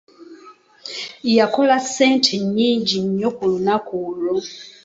Yakola ssente nyingi nnyo ku lunaku olwo!